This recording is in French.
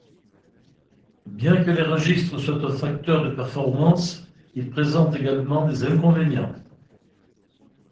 Bien que les registres soient un facteur de performance, ils présentent également des inconvénients.